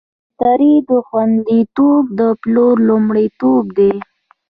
د مشتری خوندیتوب د پلور لومړیتوب دی.